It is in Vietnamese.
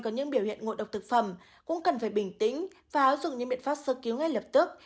có những biểu hiện ngộ độc thực phẩm cũng cần phải bình tĩnh và áp dụng những biện pháp sơ cứu ngay lập tức